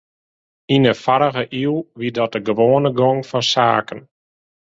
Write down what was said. Yn de foarrige iuw wie dat de gewoane gong fan saken.